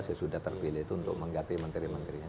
saya sudah terpilih itu untuk mengganti menteri menterinya